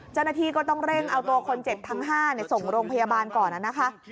เจ้าหน้าที่ก็ต้องเร่งเอาตัวคนเจ็บทั้ง๕ส่งโรงพยาบาลก่อนนะคะ